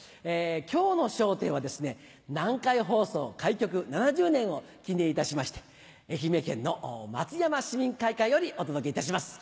今日の『笑点』はですね南海放送開局７０年を記念いたしまして愛媛県の松山市民会館よりお届けいたします。